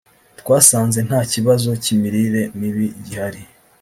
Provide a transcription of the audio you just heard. twasanze nta kibazo cy’imirire mibi gihari